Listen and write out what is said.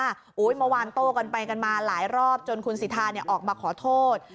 เมื่อวานโต้กันไปกันมาหลายรอบจนคุณสิทธาออกมาขอโทษ